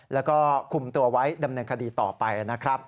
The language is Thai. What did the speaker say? แล้วก็คุมตัวไว้ดำเนินคดีต่อไปนะครับ